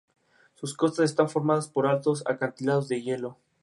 Ireland padeció de abortos espontáneos.